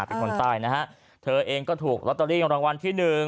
เป็นคนใต้นะฮะเธอเองก็ถูกลอตเตอรี่รางวัลที่หนึ่ง